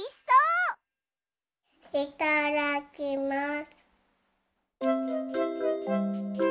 いただきます。